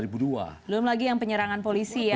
belum lagi yang penyerangan polisi ya